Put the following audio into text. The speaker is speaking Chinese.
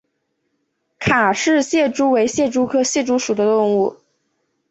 卡氏蟹蛛为蟹蛛科蟹蛛属的动物。